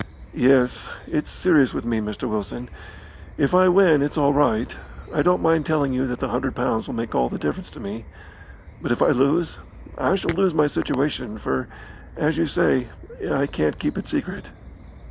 "Yes; it's serious with me, Mr. Wilson. If I win, it's all right. I don't mind telling you that the hundred pounds will make all the difference to me. But if I lose, I shall lose my situation, for, as you say, I can't keep it secret."